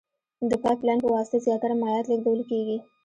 د پایپ لین په واسطه زیاتره مایعات لېږدول کیږي.